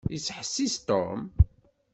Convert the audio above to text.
Yettḥessis Tom.